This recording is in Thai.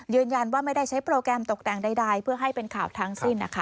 ยืนยันว่าไม่ได้ใช้โปรแกรมตกแต่งใดเพื่อให้เป็นข่าวทางสิ้น